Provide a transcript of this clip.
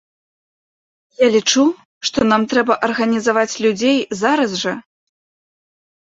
Я лічу, што нам трэба арганізаваць людзей зараз жа.